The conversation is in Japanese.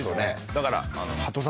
だから。